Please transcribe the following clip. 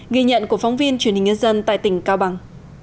ghi nhận của phóng viên truyền hình nhân dân tại tỉnh cao bằng